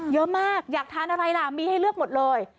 อยากทานอะไรล่ะมีให้เลือกหมดเลย